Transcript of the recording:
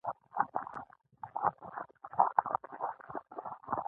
ژبه د فکري بیان لار ده.